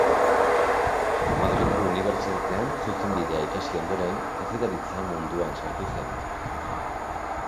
Madrilgo Unibertsitatean zuzenbidea ikasi ondoren, kazetaritza munduan sartu zen.